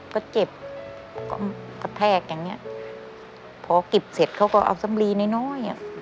ก็เจ็บก็กระแทกอย่างเงี้ยพอเก็บเสร็จเขาก็เอาสำลีน้อยน้อยอ่ะ